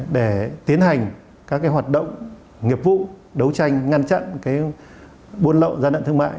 để tiến hành các hoạt động nghiệp vụ đấu tranh ngăn chặn buôn lậu gian lận thương mại